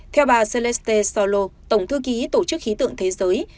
theo bà zeles solo tổng thư ký tổ chức khí tượng thế giới